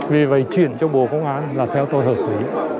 vì vậy chuyển cho bộ công an là theo tôi hợp lý